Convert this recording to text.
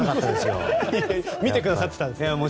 見てくださっていたんですね。